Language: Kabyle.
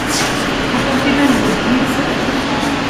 Tufamt iman-nkent yid-sen?